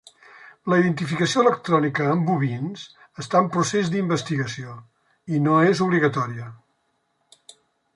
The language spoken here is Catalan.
La identificació electrònica en bovins està en procés d’investigació, i no és obligatòria.